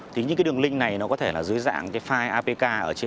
thì những đường link này có thể là dưới dạng file apk